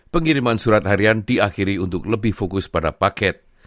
pengiriman surat harian diakhiri untuk lebih fokus pada paket